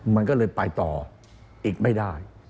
มันก็เลยไปต่ออีกไม่ได้